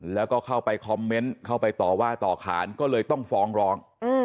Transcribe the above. แล้วก็เข้าไปคอมเมนต์เข้าไปต่อว่าต่อขานก็เลยต้องฟ้องร้อง